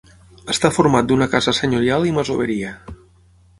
Està format d'una casa senyorial i masoveria.